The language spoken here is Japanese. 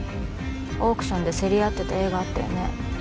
オークションで競り合ってた絵があったよね